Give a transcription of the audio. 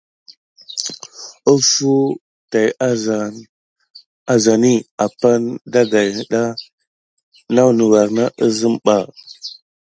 Offo tay azani apane daga ɗa naku ne wure na kusim ɓa.